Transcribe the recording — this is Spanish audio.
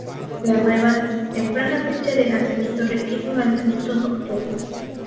La nueva, temprana fecha de lanzamiento requiere un lanzamiento nocturno.